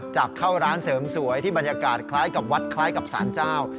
จากเข้าร้านเสริมสวยที่บรรยากาศคล้ายกับวัดคล้ายกับสารเจ้า